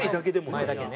前だけね。